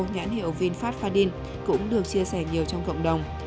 nhãn hiệu vinfast fadin cũng được chia sẻ nhiều trong cộng đồng